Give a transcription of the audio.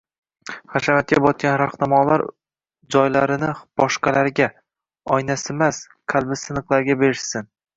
Hashamatga botgan “rahnamo”lar joylarini boshqalarga – oynasimas, qalbi siniqlarga berishsin!